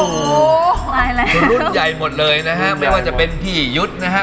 รุ่นใหญ่หมดเลยนะฮะไม่ว่าจะเป็นพี่ยุทธ์นะฮะ